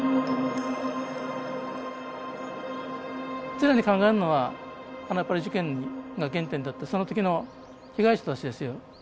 常に考えるのはあのやっぱり事件が原点であってその時の被害者たちですよ。